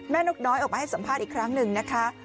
นกน้อยออกมาให้สัมภาษณ์อีกครั้งหนึ่งนะคะ